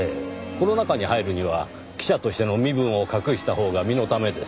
この中に入るには記者としての身分を隠したほうが身のためです。